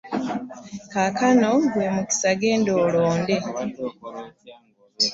Kakano gwe Mukisa genda olonde.